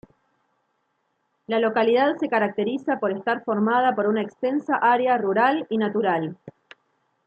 La localidad se caracteriza por estar formada por una extensa área rural y natural.